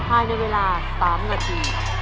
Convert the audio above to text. ภายในเวลา๓นาที